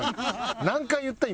何回言った？